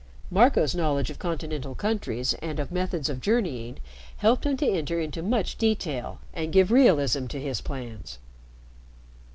Marco's knowledge of Continental countries and of methods of journeying helped him to enter into much detail and give realism to his plans.